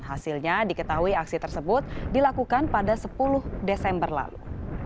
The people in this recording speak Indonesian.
hasilnya diketahui aksi tersebut dilakukan pada sepuluh desember lalu